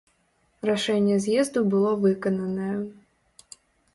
Рашэнне з'езду было выкананае.